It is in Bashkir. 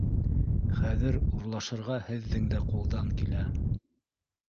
Хәҙер урлашырға һеҙҙең дә ҡулдан килә!